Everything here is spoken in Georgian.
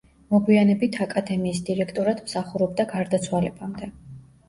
მოგვიანებით აკადემიის დირექტორად მსახურობდა გარდაცვალებამდე.